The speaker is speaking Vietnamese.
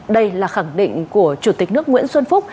đây là khẳng định của chủ tịch nước nguyễn xuân phúc